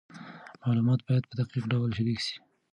معلومات باید په دقیق ډول شریک سي.